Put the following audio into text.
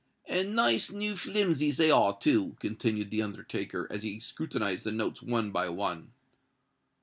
And nice new flimsies they are, too," continued the undertaker, as he scrutinised the notes one by one.